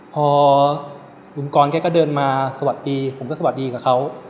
พอลุงกรแกก็เดินมาสวัสดีผมก็สวัสดีกับเขา